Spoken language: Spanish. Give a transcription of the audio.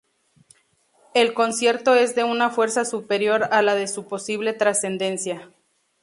El concierto es de una fuerza superior a la de su posible trascendencia.